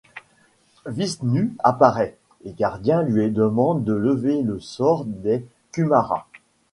Vishnu apparait, les gardiens lui demandent de lever le sort des Kumaras.